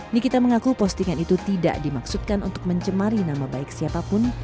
nikita mengaku postingan itu tidak dimaksudkan untuk mencemari nama baik siapapun